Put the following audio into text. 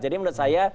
jadi menurut saya